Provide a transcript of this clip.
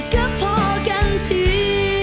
ก็พอกันที